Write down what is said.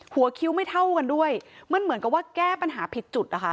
คิ้วไม่เท่ากันด้วยมันเหมือนกับว่าแก้ปัญหาผิดจุดนะคะ